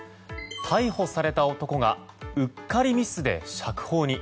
逮捕された男がうっかりミスで釈放に。